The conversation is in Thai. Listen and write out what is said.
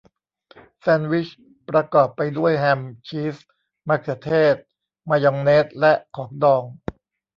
แซนด์วิชประกอบไปด้วยแฮมชีสมะเขือเทศมายองเนสและของดอง